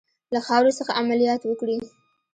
له خاورې څخه عملیات وکړي.